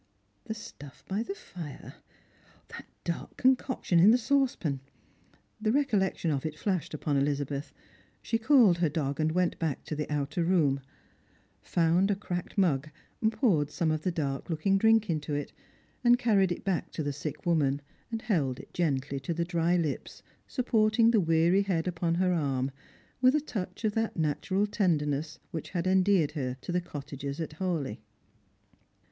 The stuff by the fire; that dark concoction in the saucepan. StrangerH and Pilgrims. 309 The recollection of it flashed upon Elizabeth. She called her dog, and went back to the outer room ; found a cracked mug, poured some of the dark looking drink into it, and carried it back to the sick woman, and held it gently to the dry lips, supporting the weary head upon her arm, with a touch of that natural tenderness which had endeared her to the cottagers at Eawleigh.